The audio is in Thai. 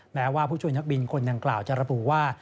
แม้ว่าผู้ช่วยนักบินคนดังกล่าวจะระบุว่า